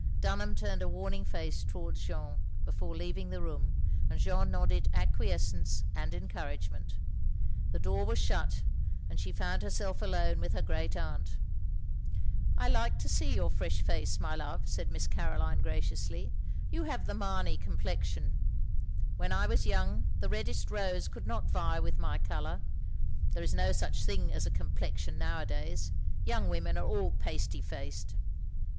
Dunham turned a warning face towards Jeanne, before leaving the room, and Jeanne nodded acquiescence and encotu agement. The door was shut, and she found herself alone with her great aunt. "I like to see your fresh face, my love," said Miss Caroline graciously. " You have the Mamey complexion. When I was young the reddest rose could not vie with my colour. There is no such thing as a complexion nowadays. Young women are all pasty faced."